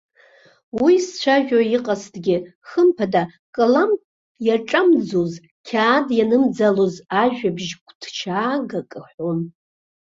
Уи зцәажәо иҟазҭгьы, хымԥада, калам иаҿамӡоз, қьаад ианымӡалоз ажәабжь гәыҭшьаагак аҳәон.